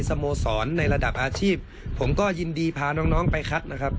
สโมสรในระดับอาชีพผมก็ยินดีพาน้องน้องไปคัดนะครับ